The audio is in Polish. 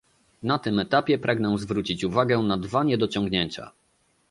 Na tym etapie pragnę zwrócić uwagę na dwa niedociągnięcia